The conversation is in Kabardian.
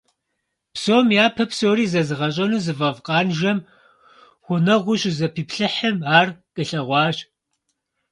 Псом япэ псори зэзыгъэщӀэну зыфӀэфӀ Къанжэм гъунэгъуу щызэпиплъыхьым, ар къилъэгъуащ.